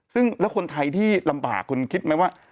ซึ่งแล้วคนไทยที่ลำบากคุณคิดไหมว่า